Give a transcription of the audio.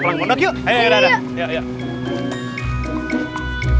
pokoknya bukaan kita kali itu